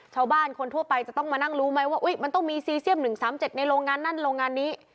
ชาวบ้านคนทั่วไปจะต้องมานั่งรู้ไหมว่ามันต้องมีซีเซียม๑๓๗ในโรงงานนั่นโรงงานนี้